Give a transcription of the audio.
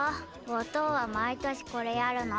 お父は毎年これやるの。